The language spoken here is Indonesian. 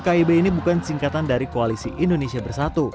kib ini bukan singkatan dari koalisi indonesia bersatu